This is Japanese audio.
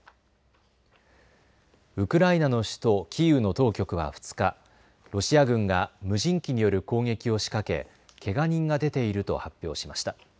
ウクライナの首都キーウの当局は２日、ロシア軍が無人機による攻撃を仕掛けけが人が出ていると発表しました。